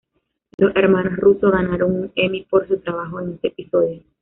Los hermanos Russo ganaron un Emmy por su trabajo en ese episodio.